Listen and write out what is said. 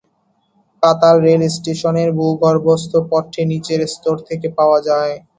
পাতাল রেল স্টেশনের ভূগর্ভস্থ পথটি নিচের স্তর থেকে পাওয়া যায়।